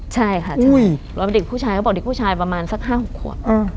ใช่ค่ะแล้วเด็กผู้ชายเขาบอกเด็กผู้ชายประมาณสัก๕๖ขวบ